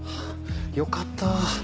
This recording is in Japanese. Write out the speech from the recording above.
よかった。